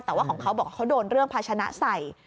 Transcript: แต่ว่าของเขาบอกว่าเขาโดนเรื่องภาชนะใส่